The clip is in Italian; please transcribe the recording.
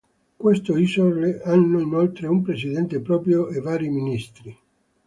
Queste isole hanno inoltre un presidente proprio e vari ministri.